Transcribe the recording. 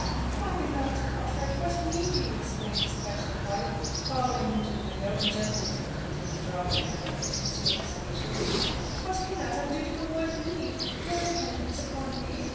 "My beloved Cartwright! what mean you?" exclaimed his affectionate wife, following him to the window, and gently attempting to withdraw the cambric that concealed his features: "what can that undutiful boy mean? Your dependence upon me?